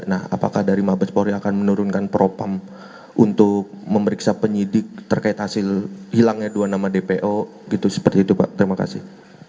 nah apakah dari mabespori akan menurunkan propam untuk memeriksa penyidik terkait hasil hilangnya dua nama dpo itu seperti itu pak terima kasih